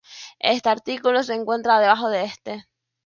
Este artículo se encuentra debajo de este.